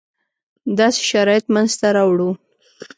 داسې شرایط منځته راوړو.